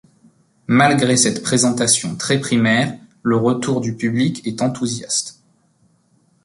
Malgré cette présentation très primaire, le retour du public est enthousiaste.